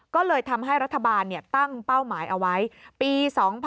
ก็เลยทำให้รัฐบาลตั้งเป้าหมายเอาไว้ปี๒๕๖๒